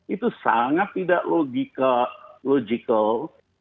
itu sangat tidak logikal